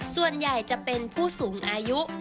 ส่วนใหญ่จะเป็นผู้สูงอายุ